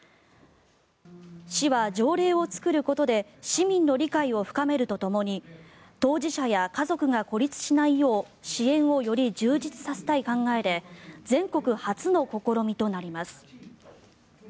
市は、条例を作ることで市民の理解を深めるとともに当事者や家族が孤立しないよう支援をより充実させたい考えで全国初の試みとなります。